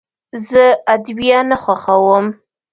زه ادویه نه خوښوم.